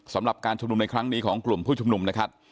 สำหรับการชุมนุมในครั้งนี้ของกลุ่มผู้ชุมนุมนะครับ